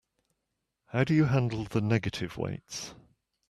How do you handle the negative weights?